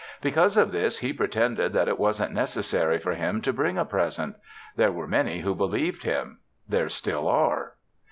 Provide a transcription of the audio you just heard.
Because of this he pretended that it wasn't necessary for him to bring a present. There were many who believed him. There still are.